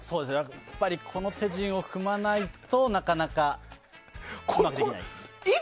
やっぱりこの手順を踏まないとなかなかうまくできない。